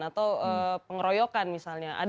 atau pengeroyokan misalnya